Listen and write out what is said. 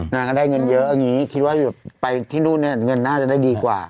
นางก็ได้เงินเยอะอย่างนี้คิดว่าไปที่นู่นเนี่ยเงินน่าจะได้ดีกว่า